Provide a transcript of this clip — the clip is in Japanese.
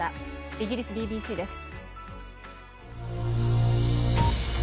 イギリスＢＢＣです。